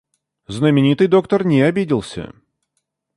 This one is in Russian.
Знаменитый доктор не обиделся.